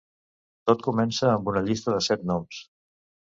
Tot comença amb una llista de set noms.